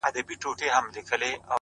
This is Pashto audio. • ستا سترگي دي؛